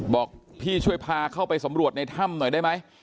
บอกพี่ช่วยพาเข้าไปสำรวจในถ้ำหน่อยได้ไหม